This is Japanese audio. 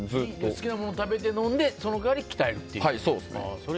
好きなもの食べて飲んでその代わり鍛えるという。